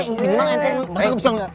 enggak sih gimana ente